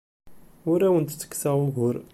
Ur awent-ttekkseɣ ugur.